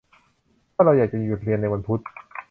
ถ้าเราอยากจะหยุดเรียนในวันพุธ